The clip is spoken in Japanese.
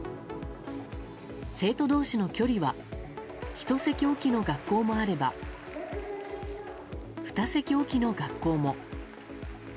生徒同士の距離は１席おきの学校もあれば２席おきの学校も。